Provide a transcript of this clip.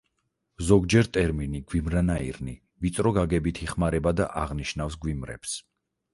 ზოგჯერ ტერმინი „გვიმრანაირნი“ ვიწრო გაგებით იხმარება და აღნიშნავს გვიმრებს.